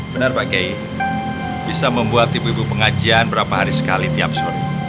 benar pak kiai bisa membuat ibu ibu pengajian berapa hari sekali tiap sore